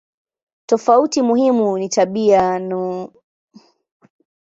Tofauti muhimu ni tabia no.